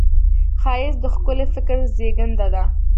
ښایست د ښکلي فکر زېږنده ده